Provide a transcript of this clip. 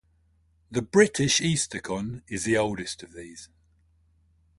The British Eastercon is the oldest of these.